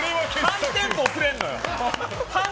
半テンポ遅れるのよ。